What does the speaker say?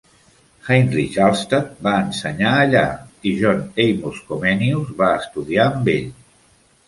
Heinrich Alsted va ensenyar allà i John Amos Comenius va estudiar amb ell.